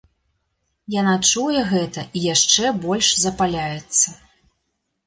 Яна чуе гэта і яшчэ больш запаляецца.